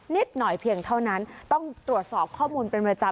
นิดหน่อยเพียงเท่านั้นต้องตรวจสอบข้อมูลเป็นประจำ